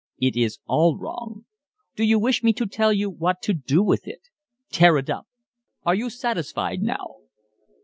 It is all wrong. Do you wish me to tell you what to do with it? Tear it up. Are you satisfied now?"